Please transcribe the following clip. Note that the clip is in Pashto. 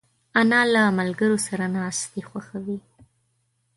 انا له ملګرو سره ناستې خوښوي